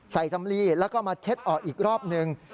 สำลีแล้วก็มาเช็ดออกอีกรอบนึง